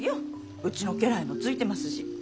うちの家来もついてますし。